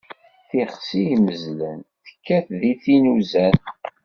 Tixsi immezlen, tekkat di tin uzan.